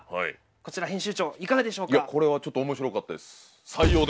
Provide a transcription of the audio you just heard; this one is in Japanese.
こちら編集長いかがでしょうか？